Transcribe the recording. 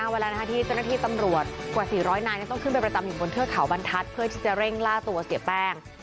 เวลาที่เจ้าหน้าที่ตำรวจกว่า๔๐๐นายต้องขึ้นไปประจำอยู่บนเทือกเขาบรรทัศน์เพื่อที่จะเร่งล่าตัวเสียแป้ง